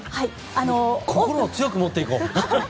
心を強く持っていこう。